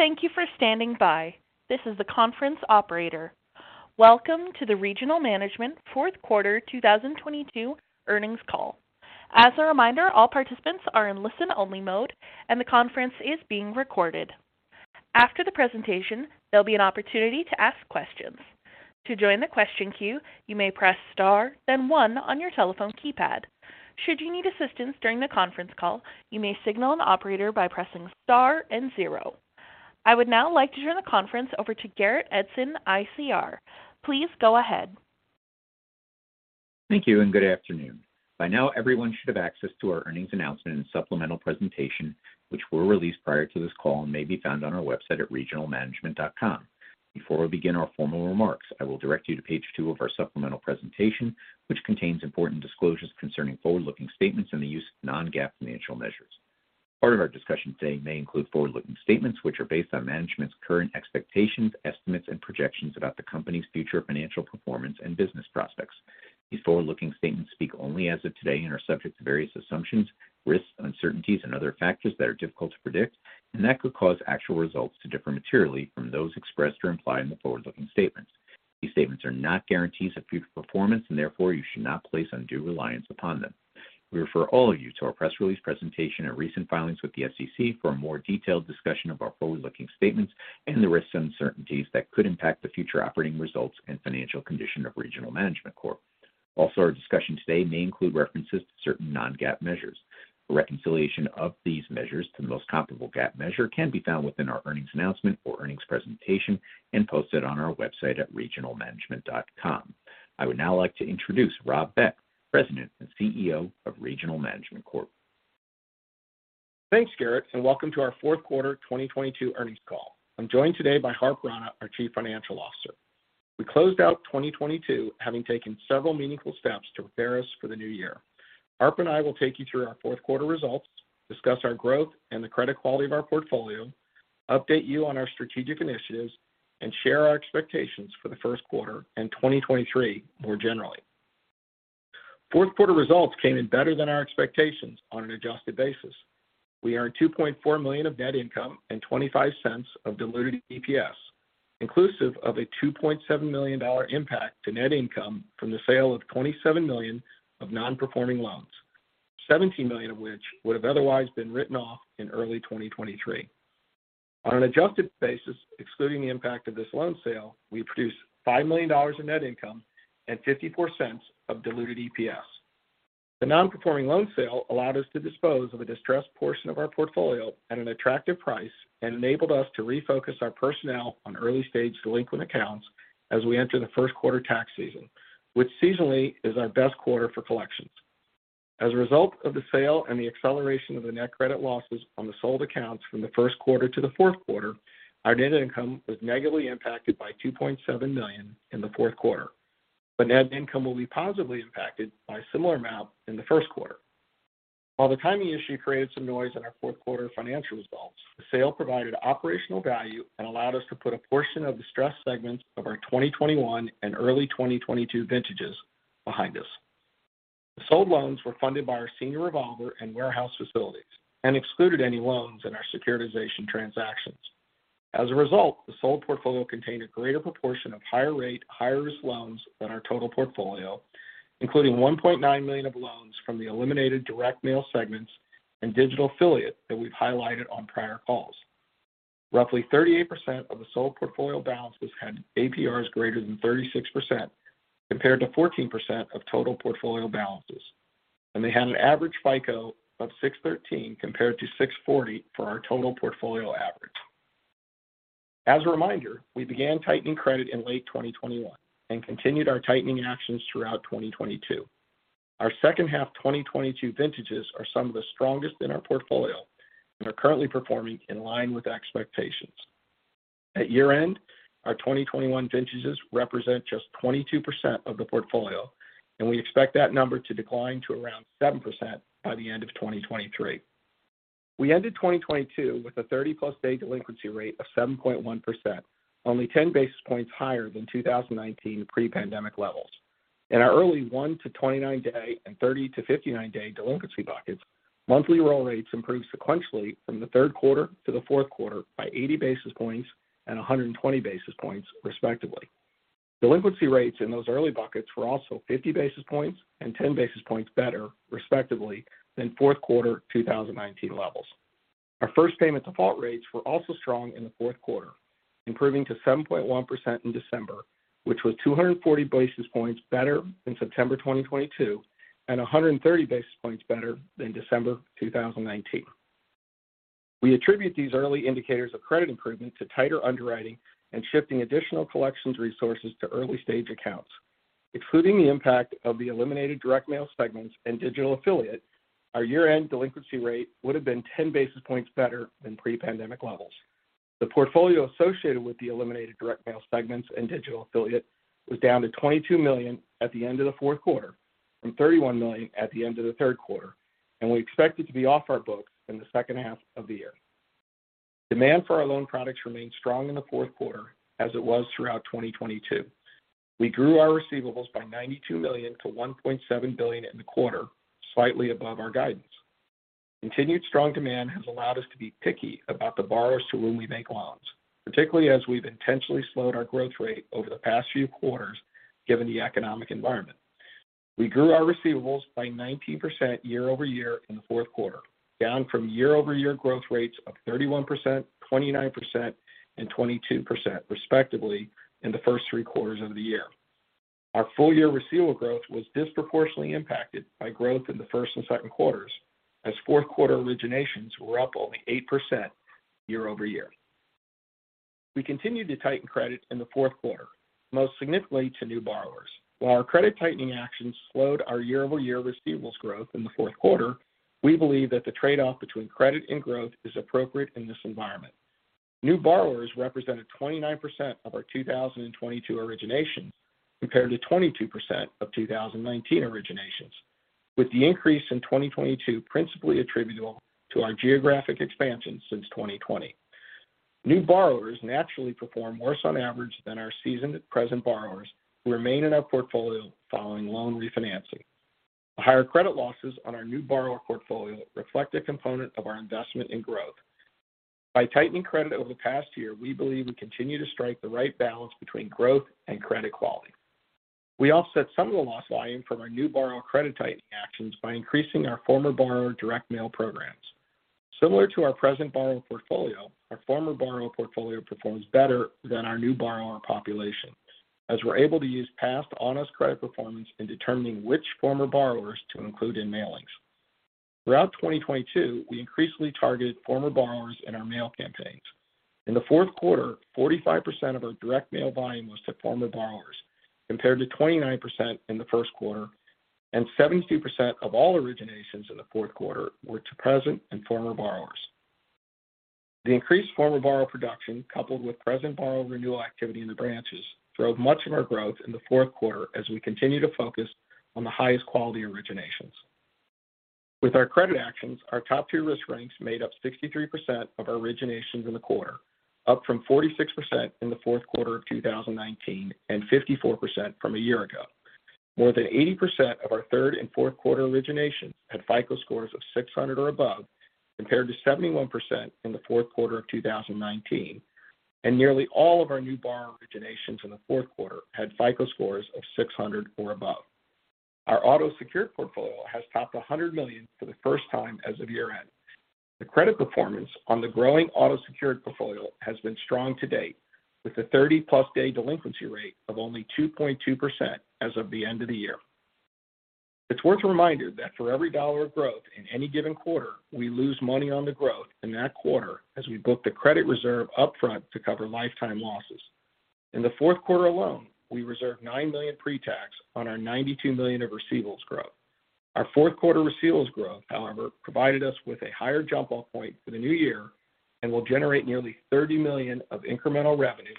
Thank you for standing by. This is the conference operator. Welcome to the Regional Management Fourth Quarter 2022 Earnings Call. As a reminder, all participants are in listen-only mode, and the conference is being recorded. After the presentation, there'll be an opportunity to ask questions. To join the question queue, you may press star, then one on your telephone keypad. Should you need assistance during the conference call, you may signal an operator by pressing star and zero. I would now like to turn the conference over to Garrett Edson, ICR. Please go ahead. Thank you, and good afternoon. By now, everyone should have access to our earnings announcement and supplemental presentation, which were released prior to this call and may be found on our website at regionalmanagement.com. Before we begin our formal remarks, I will direct you to page two of our supplemental presentation, which contains important disclosures concerning forward-looking statements and the use of Non-GAAP financial measures. Part of our discussion today may include forward-looking statements, which are based on management's current expectations, estimates, and projections about the company's future financial performance and business prospects. These forward-looking statements speak only as of today and are subject to various assumptions, risks, uncertainties, and other factors that are difficult to predict and that could cause actual results to differ materially from those expressed or implied in the forward-looking statements. These statements are not guarantees of future performance, and therefore, you should not place undue reliance upon them. We refer all of you to our press release presentation and recent filings with the SEC for a more detailed discussion of our forward-looking statements and the risks and uncertainties that could impact the future operating results and financial condition of Regional Management Corp. Our discussion today may include references to certain Non-GAAP measures. A reconciliation of these measures to the most comparable GAAP measure can be found within our earnings announcement or earnings presentation and posted on our website at regionalmanagement.com. I would now like to introduce Rob Beck, President and CEO of Regional Management Corp. Thanks, Garrett. Welcome to our Fourth Quarter 2022 Earnings Call. I'm joined today by Harp Rana, our Chief Financial Officer. We closed out 2022 having taken several meaningful steps to prepare us for the new year. Harp and I will take you through our fourth quarter results, discuss our growth and the credit quality of our portfolio, update you on our strategic initiatives, and share our expectations for the first quarter and 2023 more generally. Fourth quarter results came in better than our expectations on an adjusted basis. We earned $2.4 million of net income and $0.25 of diluted EPS, inclusive of a $2.7 million impact to net income from the sale of $27 million of non-performing loans, $17 million of which would have otherwise been written off in early 2023. On an adjusted basis, excluding the impact of this loan sale, we produced $5 million in net income and $0.54 of diluted EPS. The non-performing loan sale allowed us to dispose of a distressed portion of our portfolio at an attractive price and enabled us to refocus our personnel on early-stage delinquent accounts as we enter the first quarter tax season, which seasonally is our best quarter for collections. As a result of the sale and the acceleration of the net credit losses on the sold accounts from the first quarter to the fourth quarter, our net income was negatively impacted by $2.7 million in the fourth quarter. The net income will be positively impacted by a similar amount in the first quarter. While the timing issue created some noise in our fourth quarter financial results, the sale provided operational value and allowed us to put a portion of the stress segments of our 2021 and early 2022 vintages behind us. The sold loans were funded by our senior revolver and warehouse facilities and excluded any loans in our securitization transactions. The sold portfolio contained a greater proportion of higher-rate, higher-risk loans than our total portfolio, including $1.9 million of loans from the eliminated direct mail segments and digital affiliates that we've highlighted on prior calls. Roughly 38% of the sold portfolio balances had APRs greater than 36% compared to 14% of total portfolio balances, and they had an average FICO of 613 compared to 640 for our total portfolio average. As a reminder, we began tightening credit in late 2021 and continued our tightening actions throughout 2022. Our second-half 2022 vintages are some of the strongest in our portfolio and are currently performing in line with expectations. At year-end, our 2021 vintages represent just 22% of the portfolio, and we expect that number to decline to around 7% by the end of 2023. We ended 2022 with a 30+ day delinquency rate of 7.1%, only 10 basis points higher than 2019 pre-pandemic levels. In our early 1-to-29 day and 30-to-59 day delinquency buckets, monthly roll rates improved sequentially from the third quarter to the fourth quarter by 80 basis points and 120 basis points, respectively. Delinquency rates in those early buckets were also 50 basis points and 10 basis points better, respectively, than fourth quarter 2019 levels. Our first payment default rates were also strong in the fourth quarter, improving to 7.1% in December, which was 240 basis points better than September 2022 and 130 basis points better than December 2019. We attribute these early indicators of credit improvement to tighter underwriting and shifting additional collections resources to early-stage accounts. Excluding the impact of the eliminated direct mail segments and digital affiliate, our year-end delinquency rate would have been 10 basis points better than pre-pandemic levels. The portfolio associated with the eliminated direct mail segments and digital affiliate was down to $22 million at the end of the fourth quarter from $31 million at the end of the third quarter. We expect it to be off our books in the second half of the year. Demand for our loan products remained strong in the fourth quarter as it was throughout 2022. We grew our receivables by $92 million to $1.7 billion in the quarter, slightly above our guidance. Continued strong demand has allowed us to be picky about the borrowers to whom we make loans, particularly as we've intentionally slowed our growth rate over the past few quarters given the economic environment. We grew our receivables by 19% year-over-year in the fourth quarter, down from year-over-year growth rates of 31%, 29%, and 22% respectively in the first three quarters of the year. Our full-year receivable growth was disproportionately impacted by growth in the first and second quarters as fourth-quarter originations were up only 8% year-over-year. We continued to tighten credit in the fourth quarter, most significantly to new borrowers. While our credit tightening actions slowed our year-over-year receivables growth in the fourth quarter, we believe that the trade-off between credit and growth is appropriate in this environment. New borrowers represented 29% of our 2022 originations compared to 22% of 2019 originations. With the increase in 2022 principally attributable to our geographic expansion since 2020. New borrowers naturally perform worse on average than our seasoned present borrowers who remain in our portfolio following loan refinancing. The higher credit losses on our new borrower portfolio reflect a component of our investment in growth. By tightening credit over the past year, we believe we continue to strike the right balance between growth and credit quality. We offset some of the loss volume from our new borrower credit tightening actions by increasing our former borrower direct mail programs. Similar to our present borrower portfolio, our former borrower portfolio performs better than our new borrower population as we're able to use past honest credit performance in determining which former borrowers to include in mailings. Throughout 2022, we increasingly targeted former borrowers in our mail campaigns. In the fourth quarter, 45% of our direct mail volume was to former borrowers, compared to 29% in the first quarter, and 72% of all originations in the fourth quarter were to present and former borrowers. The increased former borrower production, coupled with present borrower renewal activity in the branches, drove much of our growth in the fourth quarter as we continue to focus on the highest quality originations. With our credit actions, our top-tier risk ranks made up 63% of our originations in the quarter, up from 46% in the fourth quarter of 2019 and 54% from a year ago. More than 80% of our third and fourth quarter originations had FICO scores of 600 or above, compared to 71% in the fourth quarter of 2019. Nearly all of our new borrower originations in the fourth quarter had FICO scores of 600 or above. Our auto secured portfolio has topped $100 million for the first time as of year-end. The credit performance on the growing auto secured portfolio has been strong to date, with a 30+ day delinquency rate of only 2.2% as of the end of the year. It's worth a reminder that for every dollar of growth in any given quarter, we lose money on the growth in that quarter as we book the credit reserve upfront to cover lifetime losses. In the fourth quarter alone, we reserved $9 million pre-tax on our $92 million of receivables growth. Our fourth quarter receivables growth, however, provided us with a higher jump-off point for the new year and will generate nearly $30 million of incremental revenue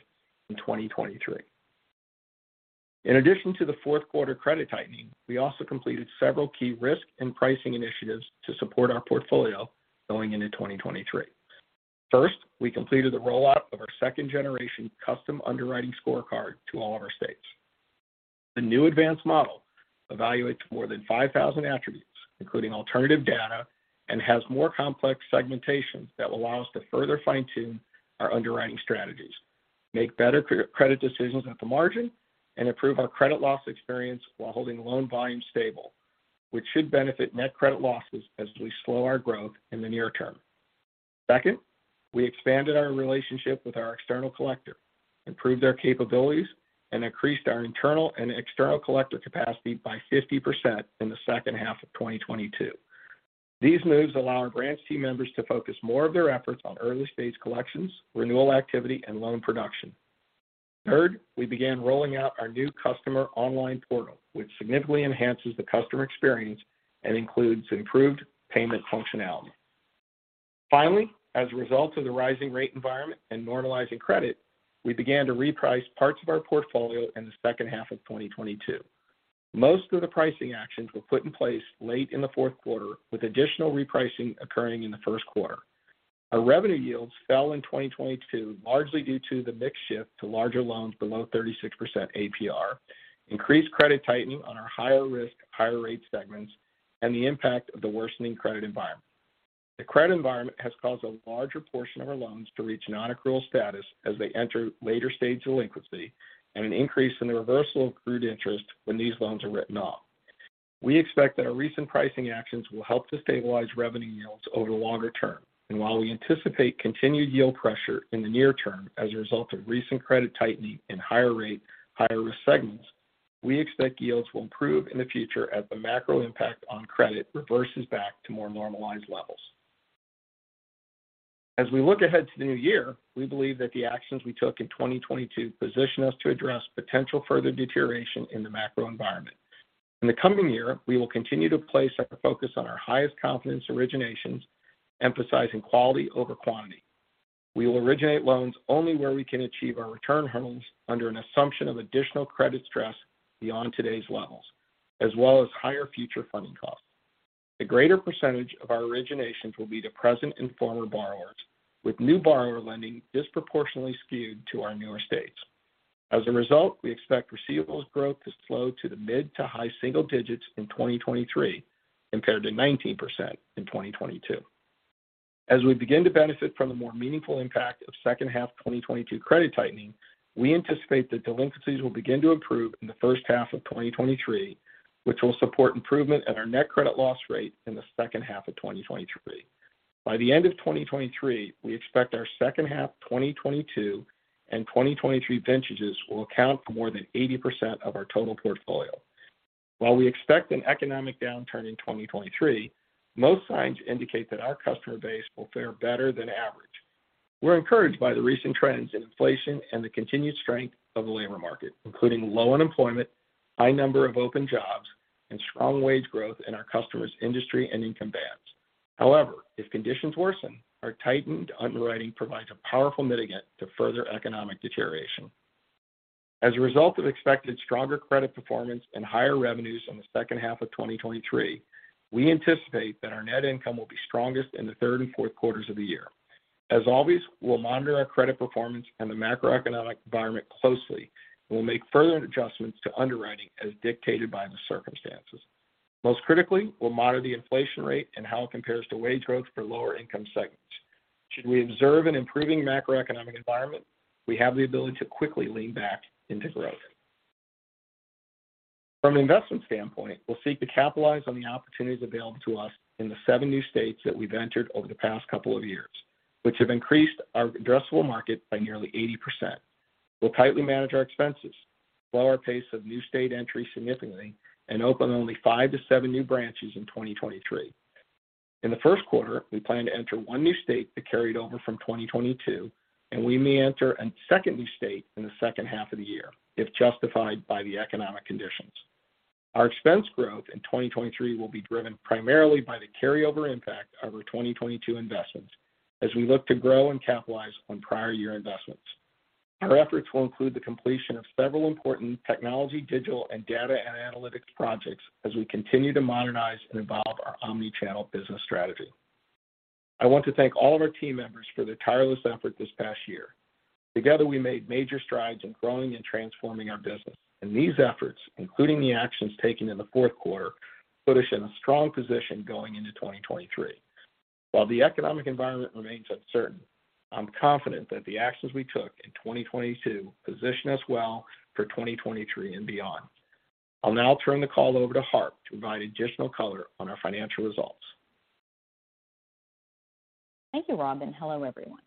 in 2023. In addition to the fourth quarter credit tightening, we also completed several key risk and pricing initiatives to support our portfolio going into 2023. First, we completed the rollout of our second generation custom underwriting scorecard to all of our states. The new advanced model evaluates more than 5,000 attributes, including alternative data, and has more complex segmentation that will allow us to further fine-tune our underwriting strategies, make better credit decisions at the margin, and improve our credit loss experience while holding loan volume stable, which should benefit net credit losses as we slow our growth in the near term. Second, we expanded our relationship with our external collector, improved their capabilities, and increased our internal and external collector capacity by 50% in the second half of 2022. These moves allow our branch team members to focus more of their efforts on early-stage collections, renewal activity, and loan production. Third, we began rolling out our new customer online portal, which significantly enhances the customer experience and includes improved payment functionality. Finally, as a result of the rising rate environment and normalizing credit, we began to reprice parts of our portfolio in the second half of 2022. Most of the pricing actions were put in place late in the fourth quarter, with additional repricing occurring in the first quarter. Our revenue yields fell in 2022, largely due to the mix shift to larger loans below 36% APR, increased credit tightening on our higher risk, higher rate segments, and the impact of the worsening credit environment. The credit environment has caused a larger portion of our loans to reach non-accrual status as they enter later stage delinquency and an increase in the reversal of accrued interest when these loans are written off. We expect that our recent pricing actions will help to stabilize revenue yields over the longer term. While we anticipate continued yield pressure in the near term as a result of recent credit tightening in higher rate, higher risk segments, we expect yields will improve in the future as the macro impact on credit reverses back to more normalized levels. As we look ahead to the new year, we believe that the actions we took in 2022 position us to address potential further deterioration in the macro environment. In the coming year, we will continue to place our focus on our highest confidence originations, emphasizing quality over quantity. We will originate loans only where we can achieve our return hurdles under an assumption of additional credit stress beyond today's levels, as well as higher future funding costs. A greater percentage of our originations will be to present and former borrowers, with new borrower lending disproportionately skewed to our newer states. As a result, we expect receivables growth to slow to the mid to high single digits in 2023 compared to 19% in 2022. As we begin to benefit from the more meaningful impact of second half of 2022 credit tightening, we anticipate that delinquencies will begin to improve in the first half of 2023, which will support improvement at our net credit loss rate in the second half of 2023. By the end of 2023, we expect our second half 2022 and 2023 vintages will account for more than 80% of our total portfolio. While we expect an economic downturn in 2023, most signs indicate that our customer base will fare better than average. We're encouraged by the recent trends in inflation and the continued strength of the labor market, including low unemployment, high number of open jobs, and strong wage growth in our customer's industry and income bands. However, if conditions worsen, our tightened underwriting provides a powerful mitigant to further economic deterioration. As a result of expected stronger credit performance and higher revenues in the second half of 2023, we anticipate that our net income will be strongest in the third and fourth quarters of the year. As always, we'll monitor our credit performance and the macroeconomic environment closely, and we'll make further adjustments to underwriting as dictated by the circumstances. Most critically, we'll monitor the inflation rate and how it compares to wage growth for lower-income segments. Should we observe an improving macroeconomic environment, we have the ability to quickly lean back into growth. From an investment standpoint, we'll seek to capitalize on the opportunities available to us in the seven new states that we've entered over the past couple of years, which have increased our addressable market by nearly 80%. We'll tightly manage our expenses, slow our pace of new state entries significantly, and open only five to seven new branches in 2023. In the first quarter, we plan to enter one new state that carried over from 2022. We may enter a second new state in the second half of the year if justified by the economic conditions. Our expense growth in 2023 will be driven primarily by the carryover impact of our 2022 investments as we look to grow and capitalize on prior year investments. Our efforts will include the completion of several important technology, digital, and data and analytics projects as we continue to modernize and evolve our omni-channel business strategy. I want to thank all of our team members for their tireless effort this past year. Together, we made major strides in growing and transforming our business. These efforts, including the actions taken in the fourth quarter, put us in a strong position going into 2023. While the economic environment remains uncertain, I'm confident that the actions we took in 2022 position us well for 2023 and beyond. I'll now turn the call over to Harp to provide additional color on our financial results. Thank you, Rob. Hello, everyone.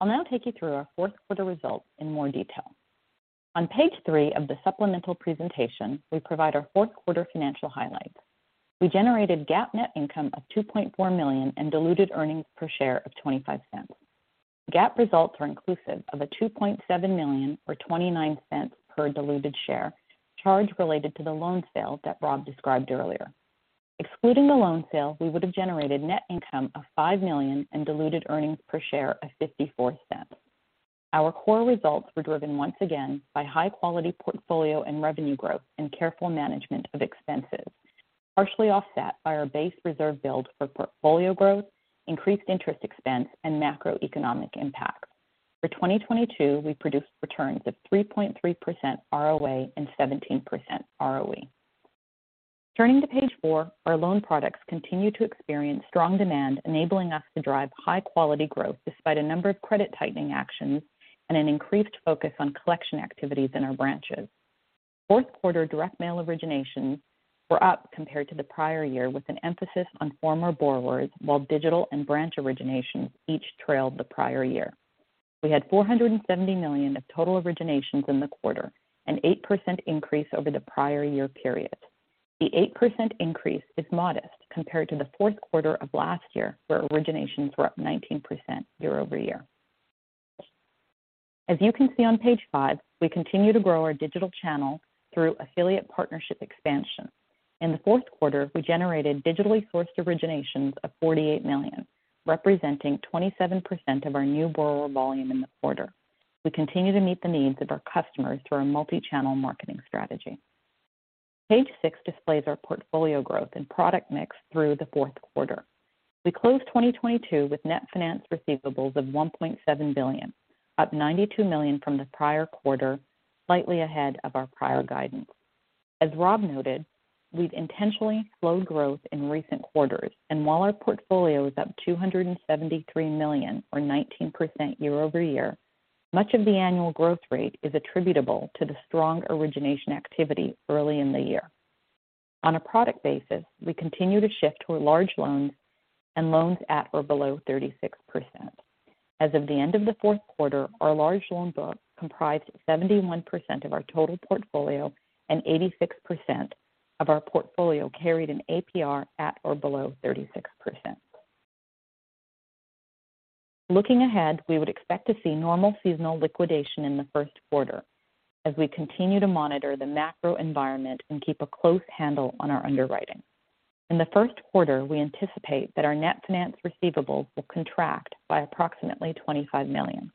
I'll now take you through our fourth quarter results in more detail. On page three of the supplemental presentation, we provide our fourth quarter financial highlights. We generated GAAP net income of $2.4 million and diluted earnings per share of $0.25. GAAP results are inclusive of a $2.7 million or $0.29 per diluted share, charge related to the loan sale that Rob described earlier. Excluding the loan sale, we would have generated net income of $5 million and diluted earnings per share of $0.54. Our core results were driven once again by high-quality portfolio and revenue growth and careful management of expenses, partially offset by our base reserve build for portfolio growth, increased interest expense, and macroeconomic impact. For 2022, we produced returns of 3.3% ROA and 17% ROE. Turning to page four, our loan products continued to experience strong demand, enabling us to drive high-quality growth despite a number of credit tightening actions and an increased focus on collection activities in our branches. Fourth quarter direct mail originations were up compared to the prior year with an emphasis on former borrowers, while digital and branch originations each trailed the prior year. We had $470 million of total originations in the quarter, an 8% increase over the prior year period. The 8% increase is modest compared to the fourth quarter of last year, where originations were up 19% year-over-year. As you can see on page five, we continue to grow our digital channel through affiliate partnership expansion. In the fourth quarter, we generated digitally sourced originations of $48 million, representing 27% of our new borrower volume in the quarter. We continue to meet the needs of our customers through our multichannel marketing strategy. Page six displays our portfolio growth and product mix through the fourth quarter. We closed 2022 with net finance receivables of $1.7 billion, up $92 million from the prior quarter, slightly ahead of our prior guidance. As Rob noted, we've intentionally slowed growth in recent quarters, while our portfolio is up $273 million or 19% year-over-year, much of the annual growth rate is attributable to the strong origination activity early in the year. On a product basis, we continue to shift toward large loans and loans at or below 36%. As of the end of the fourth quarter, our large loan book comprised 71% of our total portfolio and 86% of our portfolio carried an APR at or below 36%. Looking ahead, we would expect to see normal seasonal liquidation in the first quarter as we continue to monitor the macro environment and keep a close handle on our underwriting. In the first quarter, we anticipate that our net finance receivables will contract by approximately $25 million.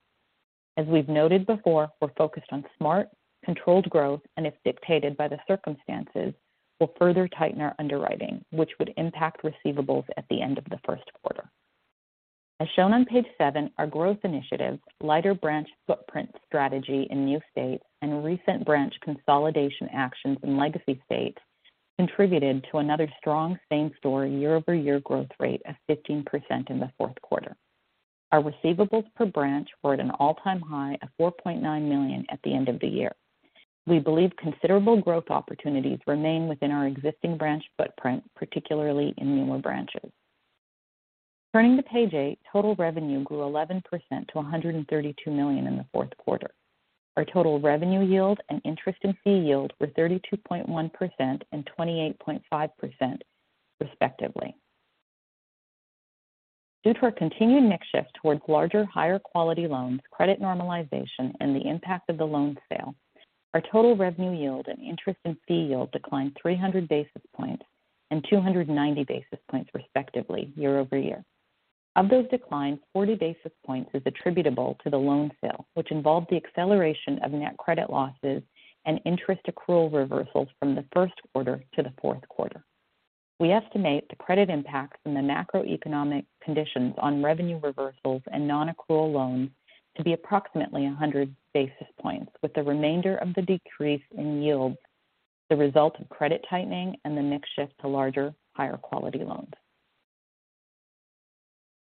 As we've noted before, we're focused on smart, controlled growth, and if dictated by the circumstances, we'll further tighten our underwriting, which would impact receivables at the end of the first quarter. As shown on page seven, our growth initiatives, lighter branch footprint strategy in new states, and recent branch consolidation actions in legacy states contributed to another strong same-store year-over-year growth rate of 15% in the fourth quarter. Our receivables per branch were at an all-time high of $4.9 million at the end of the year. We believe considerable growth opportunities remain within our existing branch footprint, particularly in newer branches. Turning to page eight, total revenue grew 11% to $132 million in the fourth quarter. Our total revenue yield and interest in fee yield were 32.1% and 28.5% respectively. Due to our continued mix shift towards larger, higher quality loans, credit normalization, and the impact of the loan sale, our total revenue yield and interest in fee yield declined 300 basis points and 290 basis points respectively year-over-year. Of those declines, 40 basis points is attributable to the loan sale, which involved the acceleration of net credit losses and interest accrual reversals from the first quarter to the fourth quarter. We estimate the credit impacts from the macroeconomic conditions on revenue reversals and non-accrual loans to be approximately 100 basis points, with the remainder of the decrease in yields the result of credit tightening and the mix shift to larger, higher quality loans.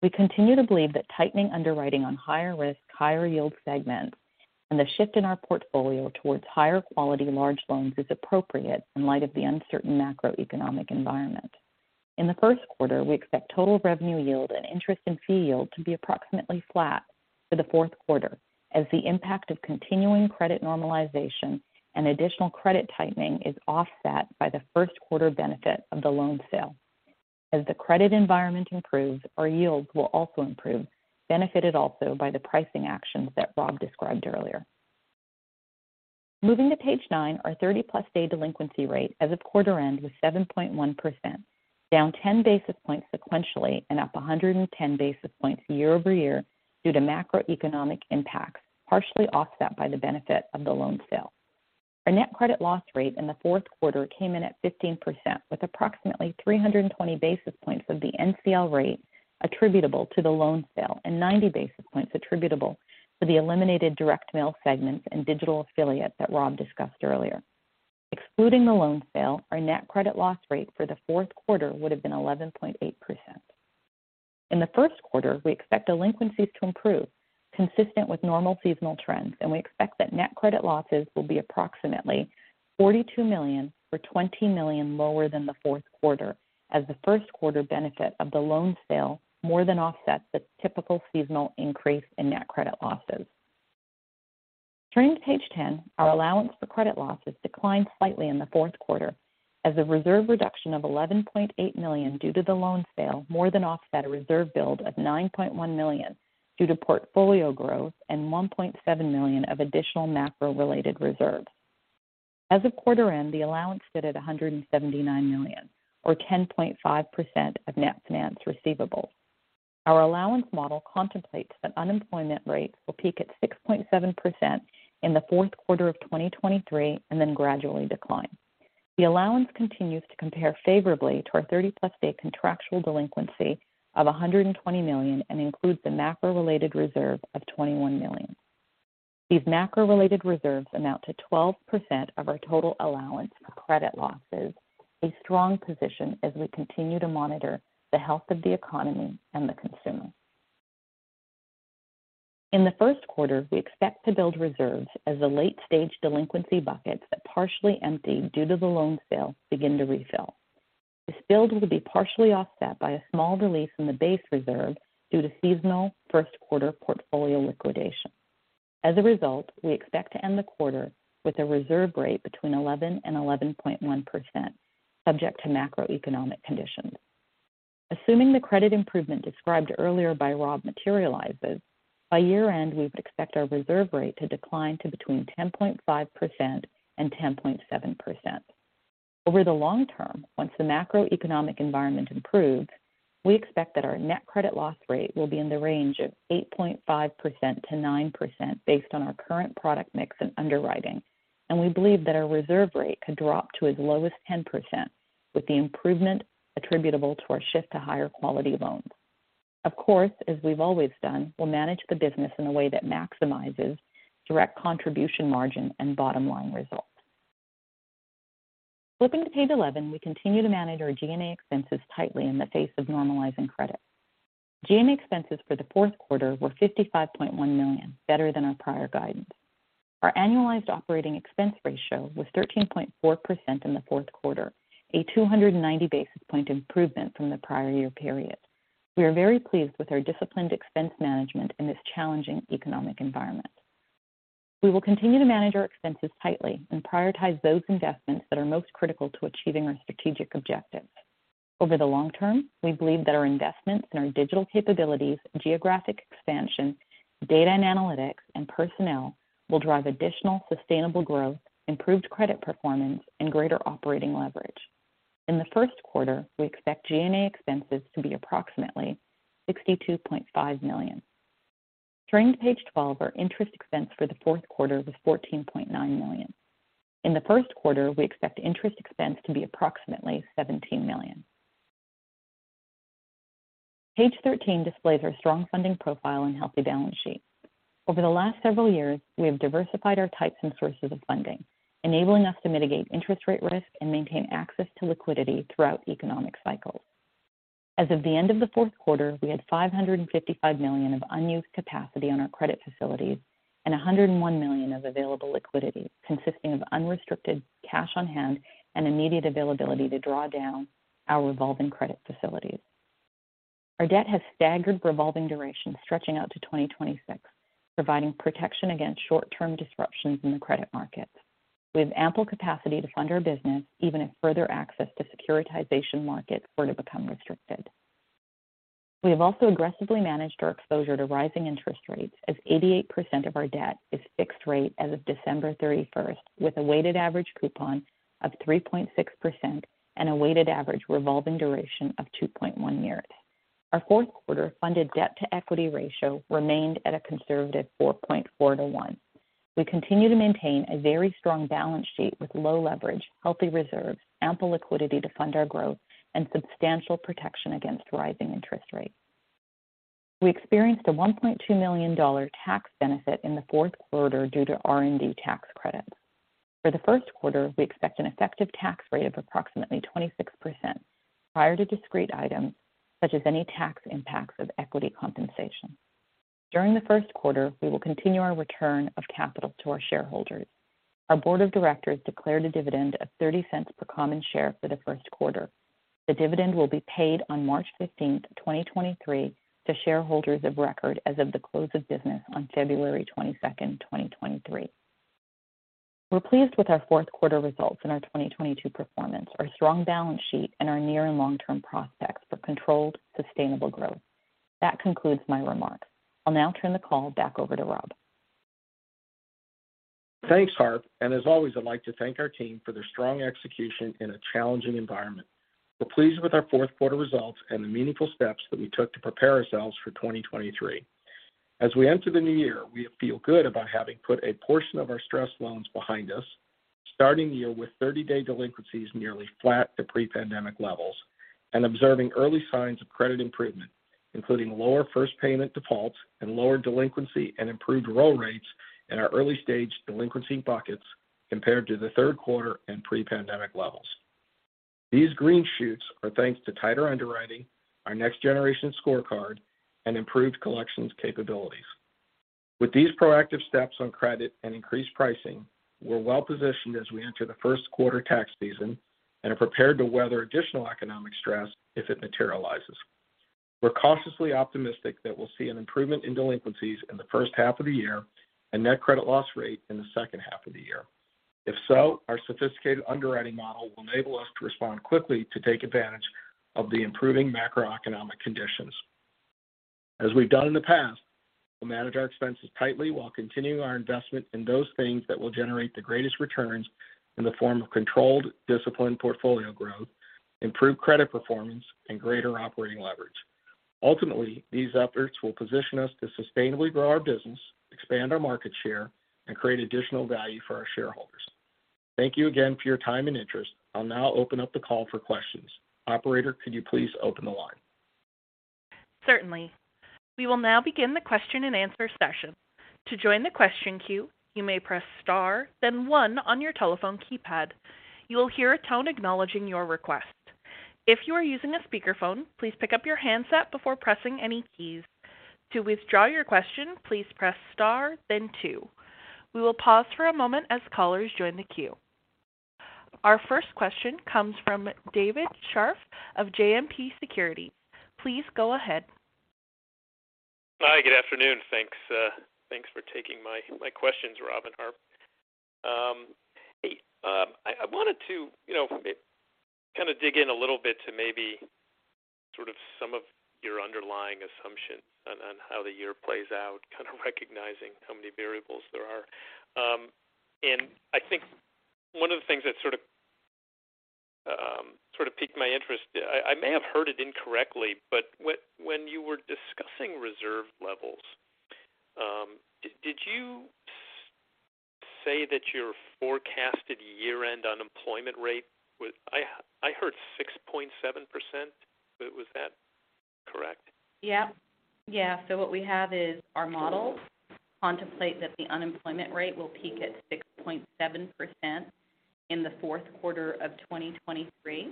We continue to believe that tightening underwriting on higher risk, higher yield segments and the shift in our portfolio towards higher quality large loans is appropriate in light of the uncertain macroeconomic environment. In the first quarter, we expect total revenue yield and interest in fee yield to be approximately flat for the fourth quarter as the impact of continuing credit normalization and additional credit tightening is offset by the first quarter benefit of the loan sale. As the credit environment improves, our yields will also improve, benefited also by the pricing actions that Rob described earlier. Moving to page nine, our 30+ day delinquency rate as of quarter end was 7.1%, down 10 basis points sequentially and up 110 basis points year-over-year due to macroeconomic impacts, partially offset by the benefit of the loan sale. Our net credit loss rate in the fourth quarter came in at 15% with approximately 320 basis points of the NCL rate attributable to the loan sale and 90 basis points attributable to the eliminated direct mail segments and digital affiliate that Rob discussed earlier. Excluding the loan sale, our net credit loss rate for the fourth quarter would have been 11.8%. In the first quarter, we expect delinquencies to improve consistent with normal seasonal trends, and we expect that net credit losses will be approximately $42 million or $20 million lower than the fourth quarter as the first quarter benefit of the loan sale more than offsets the typical seasonal increase in net credit losses. Turning to page 10, our allowance for credit losses declined slightly in the fourth quarter as a reserve reduction of $11.8 million due to the loan sale more than offset a reserve build of $9.1 million due to portfolio growth and $1.7 million of additional macro-related reserves. As of quarter end, the allowance stood at $179 million or 10.5% of net finance receivables. Our allowance model contemplates that unemployment rates will peak at 6.7% in the fourth quarter of 2023 and then gradually decline. The allowance continues to compare favorably to our 30+ day contractual delinquency of $120 million and includes the macro-related reserve of $21 million. These macro-related reserves amount to 12% of our total allowance for credit losses, a strong position as we continue to monitor the health of the economy and the consumer. In the first quarter, we expect to build reserves as the late-stage delinquency buckets that partially emptied due to the loan sale begin to refill. This build will be partially offset by a small release in the base reserve due to seasonal first quarter portfolio liquidation. As a result, we expect to end the quarter with a reserve rate between 11% and 11.1%, subject to macroeconomic conditions. Assuming the credit improvement described earlier by Rob materializes, by year-end, we would expect our reserve rate to decline to between 10.5% and 10.7%. Over the long term, once the macroeconomic environment improves, we expect that our net credit loss rate will be in the range of 8.5% to 9% based on our current product mix and underwriting, and we believe that our reserve rate could drop to as low as 10% with the improvement attributable to our shift to higher quality loans. Of course, as we've always done, we'll manage the business in a way that maximizes direct contribution margin and bottom-line results. Flipping to page 11, we continue to manage our G&A expenses tightly in the face of normalizing credit. G&A expenses for the fourth quarter were $55.1 million, better than our prior guidance. Our annualized operating expense ratio was 13.4% in the fourth quarter, a 290 basis point improvement from the prior year period. We are very pleased with our disciplined expense management in this challenging economic environment. We will continue to manage our expenses tightly and prioritize those investments that are most critical to achieving our strategic objectives. Over the long term, we believe that our investments in our digital capabilities, geographic expansion, data and analytics, and personnel will drive additional sustainable growth, improved credit performance, and greater operating leverage. In the first quarter, we expect G&A expenses to be approximately $62.5 million. Turning to page 12, our interest expense for the fourth quarter was $14.9 million. In the first quarter, we expect interest expense to be approximately $17 million. Page 13 displays our strong funding profile and healthy balance sheet. Over the last several years, we have diversified our types and sources of funding, enabling us to mitigate interest rate risk and maintain access to liquidity throughout economic cycles. As of the end of the fourth quarter, we had $555 million of unused capacity on our credit facilities and $101 million of available liquidity, consisting of unrestricted cash on hand and immediate availability to draw down our revolving credit facilities. Our debt has staggered revolving duration stretching out to 2026, providing protection against short-term disruptions in the credit markets. We have ample capacity to fund our business even if further access to securitization markets were to become restricted. We have also aggressively managed our exposure to rising interest rates as 88% of our debt is fixed-rate as of December 31st, with a weighted average coupon of 3.6% and a weighted average revolving duration of 2.1 years. Our fourth quarter funded debt-to-equity ratio remained at a conservative 4.4 to 1. We continue to maintain a very strong balance sheet with low leverage, healthy reserves, ample liquidity to fund our growth, and substantial protection against rising interest rates. We experienced a $1.2 million tax benefit in the fourth quarter due to R&D tax credits. For the first quarter, we expect an effective tax rate of approximately 26% prior to discrete items such as any tax impacts of equity compensation. During the first quarter, we will continue our return of capital to our shareholders. Our Board of Directors declared a dividend of $0.30 per common share for the first quarter. The dividend will be paid on March 15th, 2023, to shareholders of record as of the close of business on February 22nd, 2023. We're pleased with our fourth quarter results and our 2022 performance, our strong balance sheet, and our near and long-term prospects for controlled, sustainable growth. That concludes my remarks. I'll now turn the call back over to Rob. Thanks, Harp. As always, I'd like to thank our team for their strong execution in a challenging environment. We're pleased with our fourth quarter results and the meaningful steps that we took to prepare ourselves for 2023. As we enter the new year, we feel good about having put a portion of our stress loans behind us, starting the year with 30 day delinquencies nearly flat to pre-pandemic levels, and observing early signs of credit improvement, including lower first payment defaults and lower delinquency and improved roll rates in our early-stage delinquency buckets compared to the third quarter and pre-pandemic levels. These green shoots are thanks to tighter underwriting, our next-generation scorecard, and improved collections capabilities. With these proactive steps on credit and increased pricing, we're well-positioned as we enter the first quarter tax season and are prepared to weather additional economic stress if it materializes. We're cautiously optimistic that we'll see an improvement in delinquencies in the first half of the year and net credit loss rate in the second half of the year. If so, our sophisticated underwriting model will enable us to respond quickly to take advantage of the improving macroeconomic conditions. As we've done in the past, we'll manage our expenses tightly while continuing our investment in those things that will generate the greatest returns in the form of controlled, disciplined portfolio growth, improved credit performance, and greater operating leverage. Ultimately, these efforts will position us to sustainably grow our business, expand our market share, and create additional value for our shareholders. Thank you again for your time and interest. I'll now open up the call for questions. Operator, could you please open the line? Certainly. We will now begin the question and answer session. To join the question queue, you may press star, then one on your telephone keypad. You will hear a tone acknowledging your request. If you are using a speakerphone, please pick up your handset before pressing any keys. To withdraw your question, please press star, then two. We will pause for a moment as callers join the queue. Our first question comes from David Scharf of JMP Securities. Please go ahead. Hi, good afternoon. Thanks, thanks for taking my questions, Rob and Harp. I wanted to, you know, kinda dig in a little bit to maybe sort of some of your underlying assumptions on how the year plays out, kind of recognizing how many variables there are. I think one of the things that sort of piqued my interest, I may have heard it incorrectly, but when you were discussing reserve levels, did you say that your forecasted year-end unemployment rate was, I heard 6.7%. Was that correct? What we have is our models contemplate that the unemployment rate will peak at 6.7% in the fourth quarter of 2023.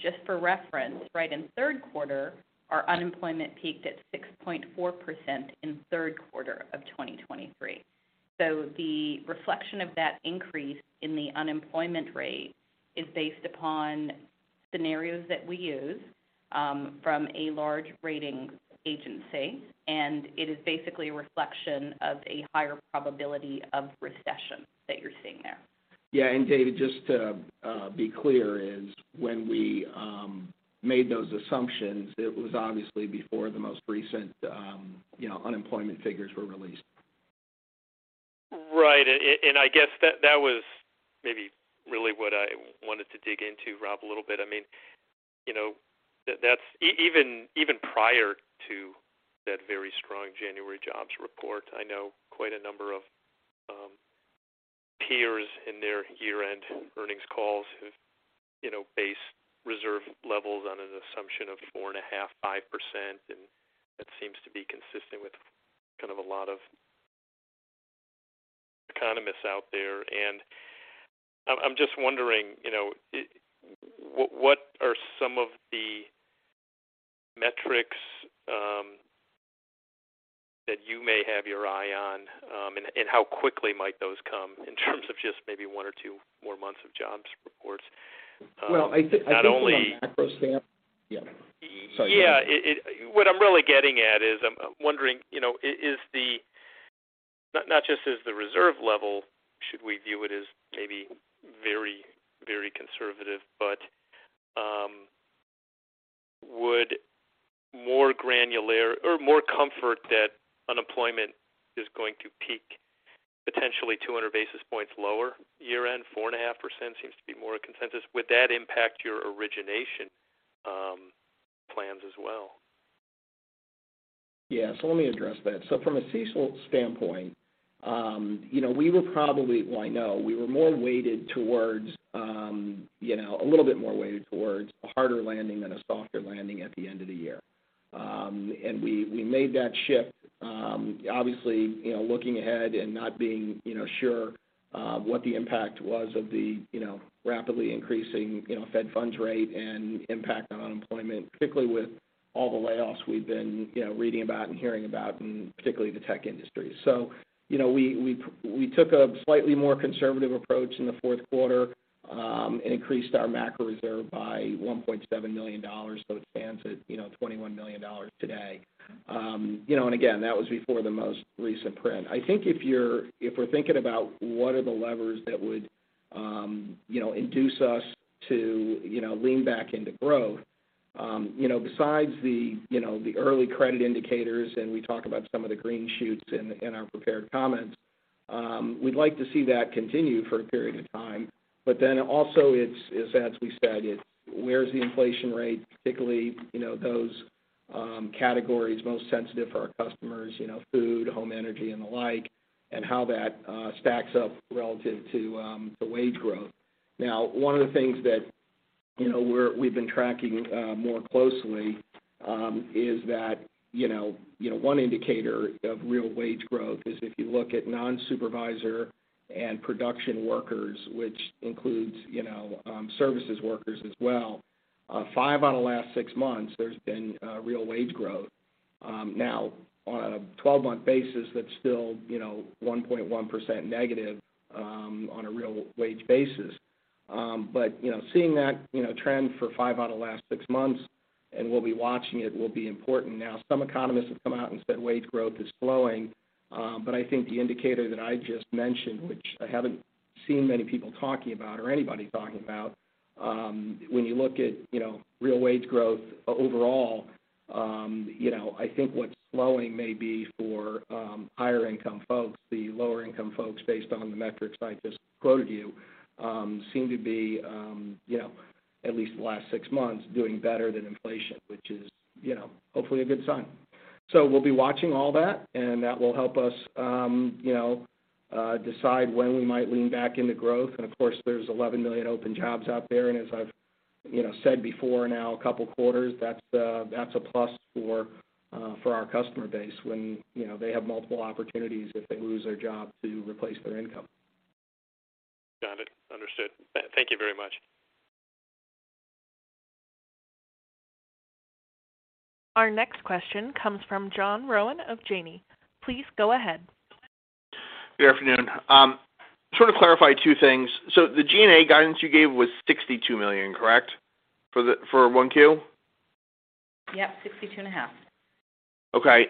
Just for reference, right, in third quarter, our unemployment peaked at 6.4% in third quarter of 2023. The reflection of that increase in the unemployment rate is based upon scenarios that we use from a large ratings agency, and it is basically a reflection of a higher probability of recession that you're seeing there. Yeah. David, just to be clear, is when we made those assumptions, it was obviously before the most recent, you know, unemployment figures were released. Right. And I guess that was maybe really what I wanted to dig into, Rob, a little bit. I mean, you know, that's even prior to that very strong January jobs report, I know quite a number of peers in their year-end earnings calls have, you know, based reserve levels on an assumption of 4.5%-5%, and that seems to be consistent with kind of a lot of economists out there. I'm just wondering, you know, what are some of the metrics that you may have your eye on, and how quickly might those come in terms of just maybe one or two more months of jobs reports? Not only. Well, I think from a macro stamp. Yeah. Sorry. Yeah. What I'm really getting at is I'm wondering, you know, not just is the reserve level, should we view it as maybe very, very conservative, but, would more granular or more comfort that unemployment is going to peak potentially 200 basis points lower year-end, 4.5% seems to be more a consensus. Would that impact your origination plans as well? Yeah. Let me address that. From a CECL standpoint, you know, we were probably, well, I know we were more weighted towards, you know, a little bit more weighted towards a harder landing than a softer landing at the end of the year. We made that shift, obviously, you know, looking ahead and not being, you know, sure what the impact was of the, you know, rapidly increasing, you know, fed funds rate and impact on unemployment, particularly with all the layoffs we've been, you know, reading about and hearing about in particularly the tech industry. You know, we took a slightly more conservative approach in the fourth quarter and increased our macro reserve by $1.7 million. It stands at, you know, $21 million today. You know, and again, that was before the most recent print. I think if we're thinking about what are the levers that would, you know, induce us to, you know, lean back into growth, you know, besides the, you know, the early credit indicators, and we talk about some of the green shoots in our prepared comments, we'd like to see that continue for a period of time. Also it's as we said, it's where's the inflation rate, particularly, you know, those, categories most sensitive for our customers, you know, food, home energy and the like, and how that stacks up relative to the wage growth. Now, one of the things that, you know, we've been tracking more closely, is that, you know, one indicator of real wage growth is if you look at non-supervisor and production workers, which includes, you know, services workers as well. Five out of the last six months, there's been real wage growth. Now, on a 12-month basis, that's still, you know, 1.1% negative, on a real wage basis. You know, seeing that trend for five out of the last six months, and we'll be watching it, will be important. Now, some economists have come out and said wage growth is slowing. I think the indicator that I just mentioned, which I haven't seen many people talking about or anybody talking about, when you look at, you know, real wage growth overall, you know, I think what's slowing may be for higher income folks. The lower income folks, based on the metrics I just quoted you, seem to be, you know, at least the last six months doing better than inflation, which is, you know, hopefully a good sign. We'll be watching all that, and that will help us, you know, decide when we might lean back into growth. Of course, there's 11 million open jobs out there. As I've, you know, said before now a couple of quarters, that's a plus for our customer base when, you know, they have multiple opportunities if they lose their job to replace their income. Got it. Understood. Thank you very much. Our next question comes from John Rowan of Janney. Please go ahead. Good afternoon. Just want to clarify two things. The G&A guidance you gave was $62 million, correct? For 1Q? Yep. 62.5. Okay.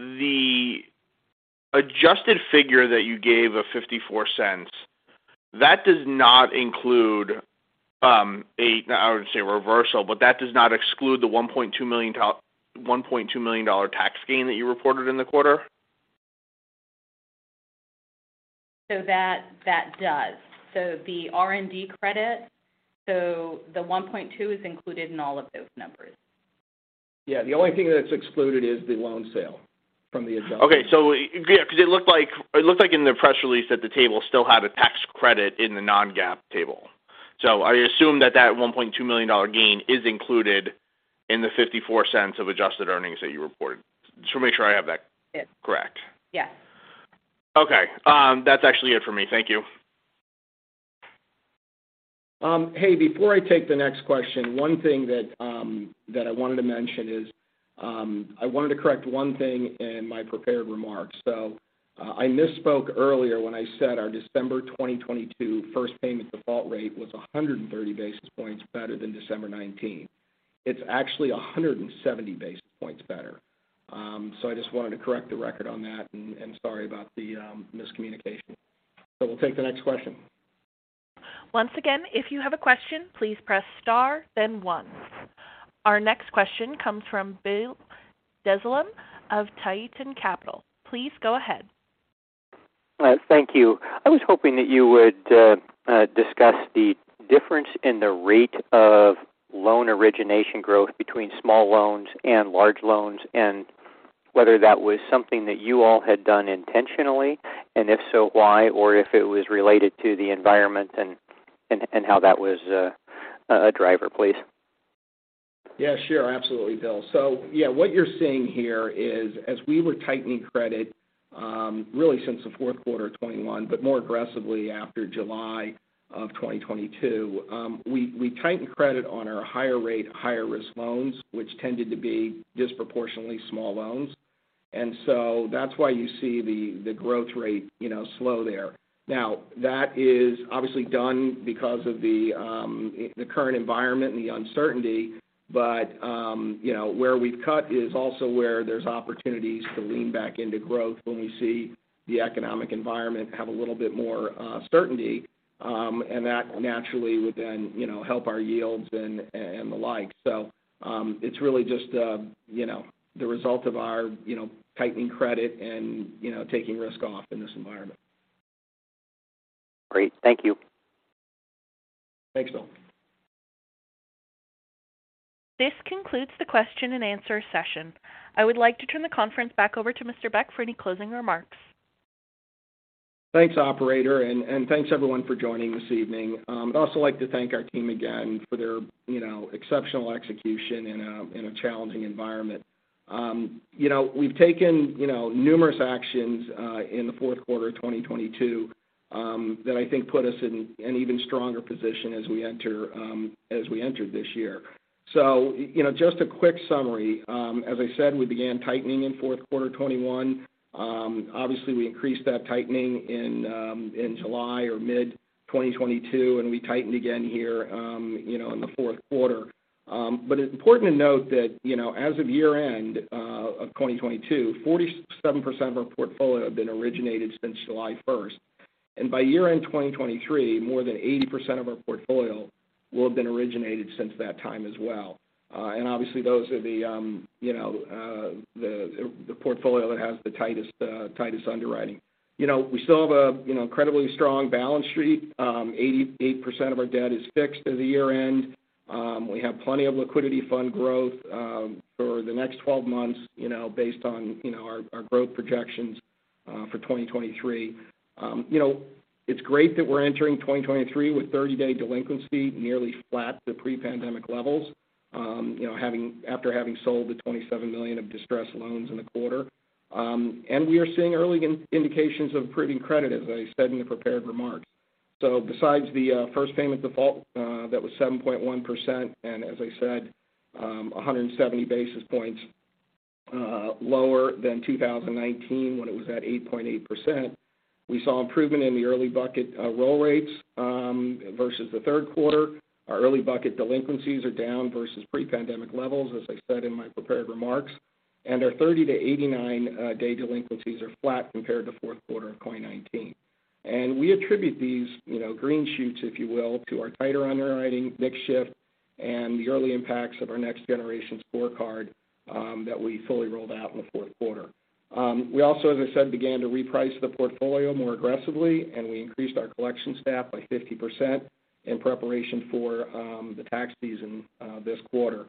The adjusted figure that you gave of $0.54, that does not include a, I wouldn't say reversal, but that does not exclude the $1.2 million tax gain that you reported in the quarter. That does. The R&D credit. The $1.2 is included in all of those numbers. Yeah. The only thing that's excluded is the loan sale from the adjustment. Yeah, because it looked like in the press release that the table still had a tax credit in the Non-GAAP table. I assume that that $1.2 million gain is included in the $0.54 of adjusted earnings that you reported. Just want to make sure I have that. Yes. correct. Yes. Okay. That's actually it for me. Thank you. Hey, before I take the next question, one thing that I wanted to mention is I wanted to correct one thing in my prepared remarks. I misspoke earlier when I said our December 2022 first payment default rate was 130 basis points better than December 2019. It's actually 170 basis points better. I just wanted to correct the record on that and sorry about the miscommunication. We'll take the next question. Once again, if you have a question, please press star then one. Our next question comes from Bill Dezellem of Tieton Capital Management. Please go ahead. Thank you. I was hoping that you would discuss the difference in the rate of loan origination growth between small loans and large loans and whether that was something that you all had done intentionally. And if so, why, or if it was related to the environment and how that was a driver, please. Yeah, sure. Absolutely, Bill. Yeah, what you're seeing here is as we were tightening credit, really since the fourth quarter of 2021, but more aggressively after July of 2022, we tightened credit on our higher rate, higher risk loans, which tended to be disproportionately small loans. That's why you see the growth rate, you know, slow there. That is obviously done because of the current environment and the uncertainty. You know, where we've cut is also where there's opportunities to lean back into growth when we see the economic environment have a little bit more certainty. That naturally would then, you know, help our yields and the like. It's really just, you know, the result of our, you know, tightening credit and, you know, taking risk off in this environment. Great. Thank you. Thanks, Bill. This concludes the question and answer session. I would like to turn the conference back over to Mr. Beck for any closing remarks. Thanks, operator, and thanks everyone for joining this evening. I'd also like to thank our team again for their, you know, exceptional execution in a challenging environment. you know, we've taken, you know, numerous actions in the fourth quarter of 2022 that I think put us in an even stronger position as we enter this year. you know, just a quick summary. As I said, we began tightening in fourth quarter 2021. Obviously, we increased that tightening in July or mid-2022, and we tightened again here, you know, in the fourth quarter. It's important to note that, you know, as of year-end of 2022, 47% of our portfolio have been originated since July 1st. By year-end 2023, more than 80% of our portfolio will have been originated since that time as well. Obviously those are the, you know, the portfolio that has the tightest underwriting. You know, we still have a, you know, incredibly strong balance sheet. 88% of our debt is fixed at the year-end. We have plenty of liquidity fund growth for the next 12 months, you know, based on our growth projections for 2023. You know, it's great that we're entering 2023 with 30-day delinquency nearly flat to pre-pandemic levels, you know, after having sold the $27 million of distressed loans in the quarter. We are seeing early in-indications of improving credit, as I said in the prepared remarks. Besides the first payment default, that was 7.1%, and as I said, 170 basis points lower than 2019 when it was at 8.8%. We saw improvement in the early bucket roll rates versus the third quarter. Our early bucket delinquencies are down versus pre-pandemic levels, as I said in my prepared remarks. Our 30 to 89 day delinquencies are flat compared to fourth quarter of 2019. We attribute these, you know, green shoots, if you will, to our tighter underwriting, mix shift, and the early impacts of our next generation scorecard that we fully rolled out in the fourth quarter. We also, as I said, began to reprice the portfolio more aggressively, and we increased our collection staff by 50% in preparation for the tax season this quarter.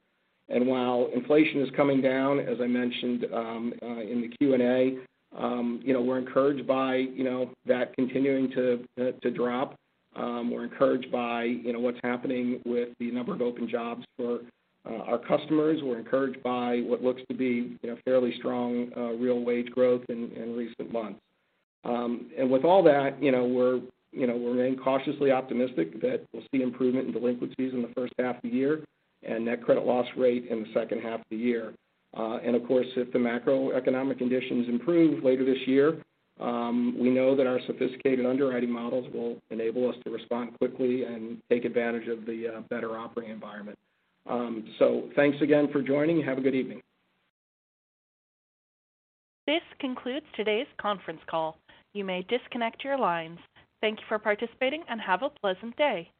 While inflation is coming down, as I mentioned, in the Q&A, you know, we're encouraged by, you know, that continuing to drop. We're encouraged by, you know, what's happening with the number of open jobs for our customers. We're encouraged by what looks to be, you know, fairly strong real wage growth in recent months. With all that, you know, we remain cautiously optimistic that we'll see improvement in delinquencies in the first half of the year and net credit loss rate in the second half of the year. Of course, if the macroeconomic conditions improve later this year, we know that our sophisticated underwriting models will enable us to respond quickly and take advantage of the better operating environment. Thanks again for joining. Have a good evening. This concludes today's conference call. You may disconnect your lines. Thank you for participating and have a pleasant day.